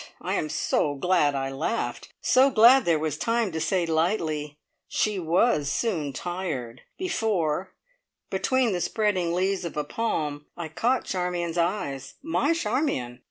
I am so glad I laughed. So glad there was time to say lightly, "She was soon tired!" before, between the spreading leaves of a palm, I caught Charmion's eyes my Charmion!